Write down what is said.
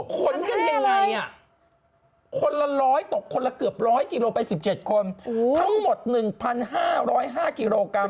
ขนกันยังไงคนละ๑๐๐กิโลกรัมตกคนละเกือบ๑๐๐กิโลกรัมไป๑๗คน